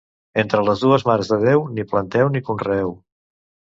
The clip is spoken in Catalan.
Entre les dues Mares de Déu, ni planteu ni conreeu.